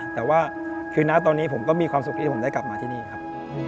แต่ว่าคือนะตอนนี้ผมก็มีความสุขที่ผมได้กลับมาที่นี่ครับ